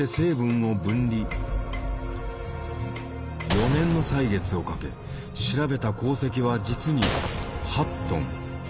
４年の歳月をかけ調べた鉱石は実に８トン。